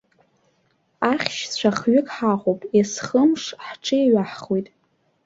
Ахьшьцәа хҩык ҳаҟоуп, есхымш ҳҽеиҩаҳхуеит.